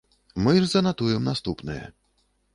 Мы ж занатуем наступнае.